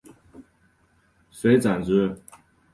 遂斩之。